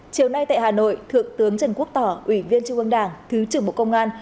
chiều nay tại hà nội thượng tướng trần quốc tỏ ủy viên trung ương đảng thứ trưởng bộ công an